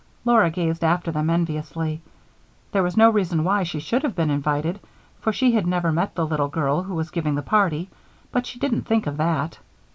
Laura gazed after them enviously. There was no reason why she should have been invited, for she had never met the little girl who was giving the party, but she didn't think of that.